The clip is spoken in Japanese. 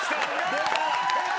出た！